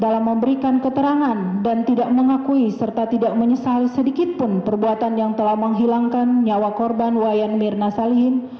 dalam memberikan keterangan dan tidak mengakui serta tidak menyesal sedikitpun perbuatan yang telah menghilangkan nyawa korban wayan mirna salihin